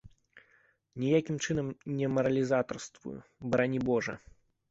Ніякім чынам не маралізатарствую, барані божа.